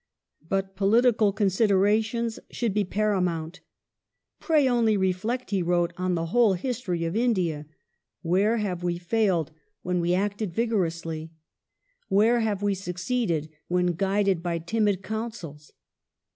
But political considera tions should be paramount. " Pray only reflect," he wrote, " on the whole history of India. Where have we failed when we acted 1 Vol. i. pp. 87 gi. 286 THE INDIAN MUTINY [1856 vigorously ? Where have we succeeded when guided by timid counsels?"